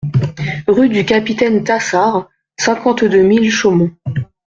Rue du Capitaine Tassard, cinquante-deux mille Chaumont